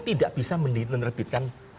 tidak bisa menerbitkan